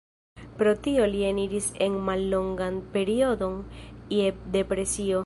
Pro tio li eniris en mallongan periodon je depresio.